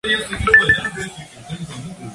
Es autora de muchas publicaciones de divulgación.